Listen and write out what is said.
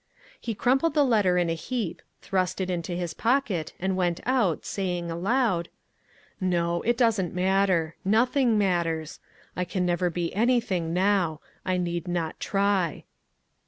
He crumpled the letter in a heap, thrust it into his pocket, and went out, saying aloud :" No, it doesn't matter ; nothing matters. I can never be anything now ; I need not try."